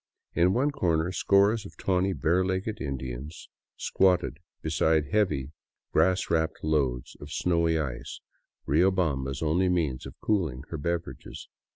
In one corner scores of tawny, bare legged Indians squatted beside heavy grass wrapped loads of snowy ice, Riobamba's only means of cooling her beverages.